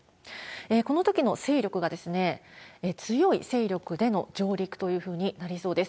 このときの勢力が、強い勢力での上陸というふうになりそうです。